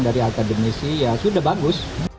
dari akademisi ya sudah bagus